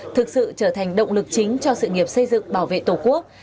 thực sự trở thành động lực chính cho sự nghiệp xây dựng bảo vệ tổ quốc